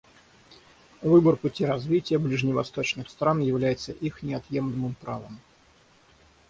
Выбор пути развития ближневосточных стран является их неотъемлемым правом.